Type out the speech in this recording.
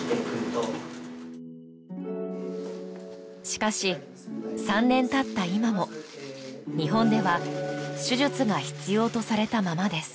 しかし３年たった今も日本では手術が必要とされたままです